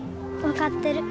分かってる。